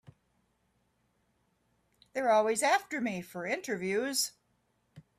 They're always after me for interviews.